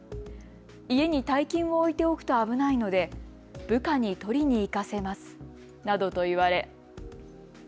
家に大金を置いておくと危ないので部下に取りに行かせますなどと言われ。